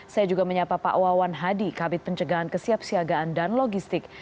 saya juga menyapa pak wawan hadi kabit pencegahan kesiapsiagaan dan logistik